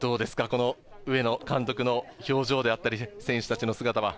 この上野監督の表情であったり、選手たちの姿。